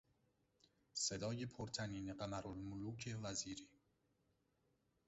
صدای پر طنین قمرالملوک وزیری